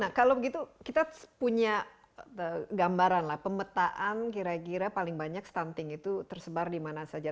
nah kalau begitu kita punya gambaran lah pemetaan kira kira paling banyak stunting itu tersebar di mana saja